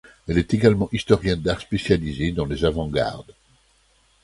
Elle est également historienne d'art spécialisée dans les avant-gardes.